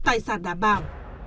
tài sản đảm bảo